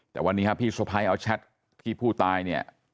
แต่วันนี้พี่สวัสดิ์ไพร์เอาแชทพี่ผู้ตายเนี่ย